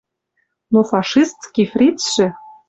Но фашистский фрицшӹ